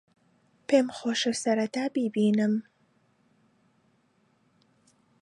پێم خۆشە سەرەتا بیبینم.